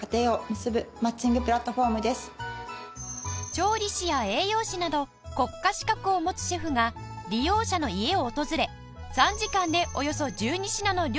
調理師や栄養士など国家資格を持つシェフが利用者の家を訪れ３時間でおよそ１２品の料理を作ります